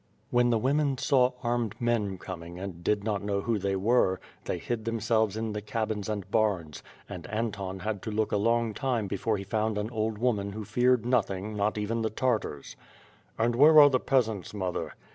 When the women saw armed men coming, and did not know who they were, they hid them selves in the cabins and barns, and Anton had to look a long time before he found an old woman who feared nothing, not even the Tartars. "And where are the peasants, mother?"